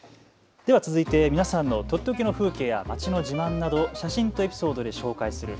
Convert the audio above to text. では続いて皆さんのとっておきの風景や街の自慢などを写真とエピソードでお伝えする＃